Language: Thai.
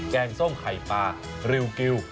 แกงส้มไข่ปลาริวเกรียว